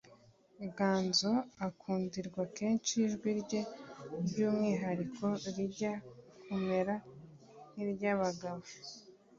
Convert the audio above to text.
Ganzo ukundirwa kenshi ijwi rye ry’umwihariko rijya kumera nk’iry’abagabo